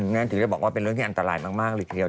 งั้นถึงได้บอกว่าเป็นเรื่องที่อันตรายมากเลยทีเดียว